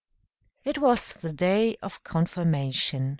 It was the day of confirmation.